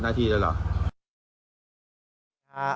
นาทีเลยเหรอ